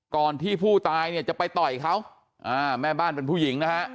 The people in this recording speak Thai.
ก่อนที่ผู้ตายเนี่ยจะไปต่อยเขาอ่าแม่บ้านเป็นผู้หญิงนะฮะ